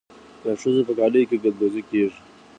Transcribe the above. د ښځو په کالیو کې ګلدوزي کیږي.